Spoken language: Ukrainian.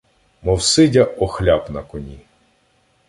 Мов сидя охляп на коні.